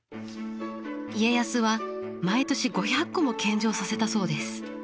家康は毎年５００個も献上させたそうです。